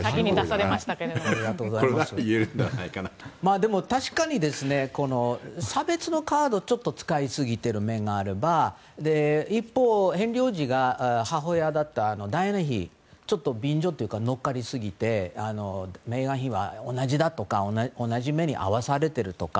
でも、確かに差別のカードをちょっと使いすぎてる面があれば一方、ヘンリー王子が母親だったダイアナ妃にちょっと便乗というか乗っかりすぎてメーガン妃は同じだとか同じ目に遭わされてるとか。